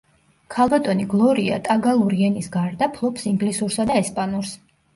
ქალბატონი გლორია ტაგალური ენის გარდა ფლობს ინგლისურსა და ესპანურს.